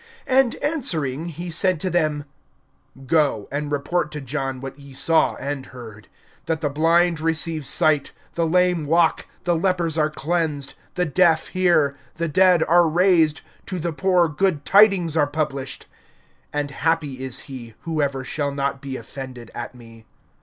(22)And answering he said to them: Go, and report to John what ye saw and heard; that the blind receive sight, the lame walk, the lepers are cleansed, the deaf hear, the dead are raised, to the poor good tidings are published. (23)And happy is he, whoever shall not be offended at me.